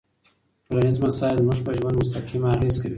ټولنيز مسایل زموږ په ژوند مستقیم اغېز کوي.